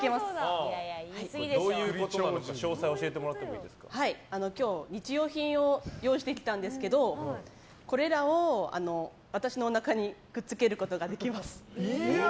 どういうことなのか今日、日用品を用意してきたんですけどこれらを私のおなかにくっつけることができます。